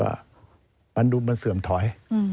ว่ามันดูมันเสื่อมถอย